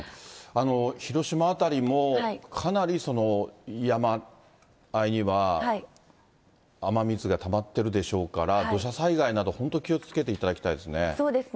広島辺りも、かなり山あいには雨水がたまってるでしょうが、土砂災害など、本そうですね。